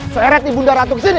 seret ibu daratuk sini